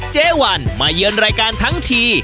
เจ๊วันมาเยือนรายการทั้งที